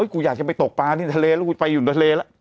กูอยากจะไปตกปลาที่ทะเลแล้วกูไปอยู่ในทะเลแล้ว